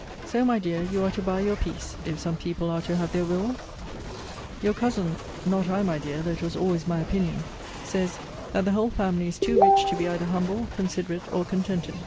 So, my dear, you are to buy your peace, if some people are to have their wills! Your cousin [not I, my dear, though it was always my opinion*] says, that the whole family is too rich to be either humble, considerate, or contented.